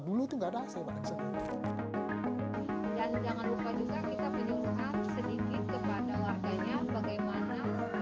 dan jangan lupa juga kita penyusah sedikit kepada warganya bagaimana